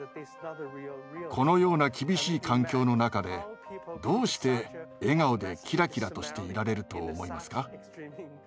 このような厳しい環境の中でどうして笑顔でキラキラとしていられると思いますか？